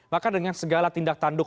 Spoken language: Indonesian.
maka dengan segala tindak tanduk